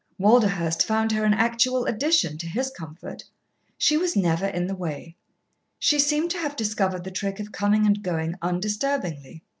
Walderhurst found her an actual addition to his comfort. She was never in the way. She seemed to have discovered the trick of coming and going undisturbingly.